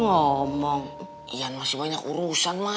ngomong ian masih banyak urusan mak